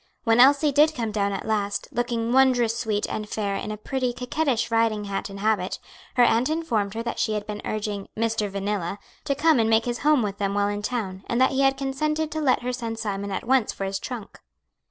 When Elsie did come down at last, looking wondrous sweet and fair in a pretty, coquettish riding hat and habit, her aunt informed her that she had been urging "Mr. Vanilla" to come and make his home with them while in town, and that he had consented to let her send Simon at once for his trunk.